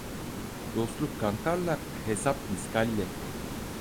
Dostluk kantarla, hesap miskalle.